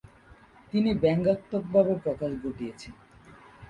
তিনি ব্যাঙ্গাত্মকভাবে প্রকাশ ঘটিয়েছেন।